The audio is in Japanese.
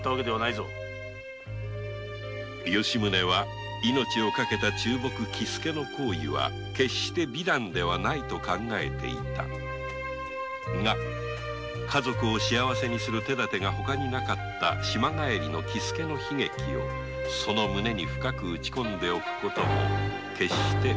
吉宗は命を懸けた喜助の行為は美談ではないと思ったが家族を幸せにする手だてがなかった島帰りの喜助の悲劇をその胸に深く打ち込んでおくことも決して忘れてはいなかった